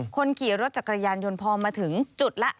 คนขี่รถจักรยานยนต์พอมาถึงจุดแล้ว